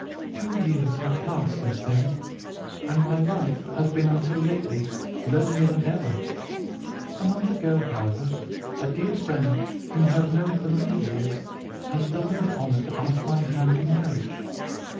"Two years have passed since then, and my life has been until lately lonelier than ever. A month ago, however, a dear friend, whom I have known for many years, has done me the honour to ask my hand in marriage.